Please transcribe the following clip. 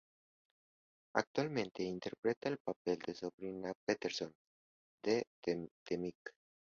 Actualmente interpreta el papel de Sabrina Pemberton en "The Mick".